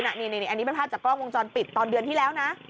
อันนี้เป็นภาพจากกล้องวงจรปิดตอนเดือนที่แล้วนะ